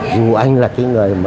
dù anh là cái người